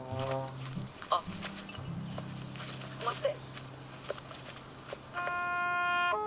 あっまって。